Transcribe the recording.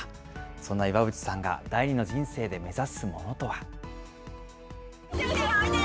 そんな岩渕さんが第二の人生で目指すものとは。